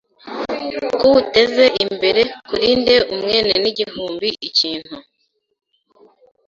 kuwuteze imbere, kurinde umwene n’ingimbi ikintu